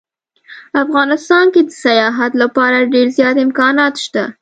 افغانستان کې د سیاحت لپاره ډیر زیات امکانات شته